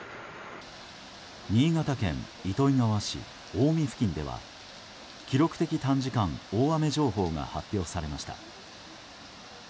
新潟県糸魚川市青海付近では記録的短時間大雨情報が発表されました。